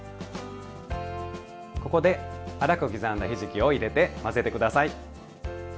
ここで粗く刻んだひじきを入れて混ぜて下さい。